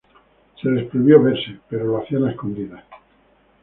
Se les prohibió verse, pero lo hacían a escondidas.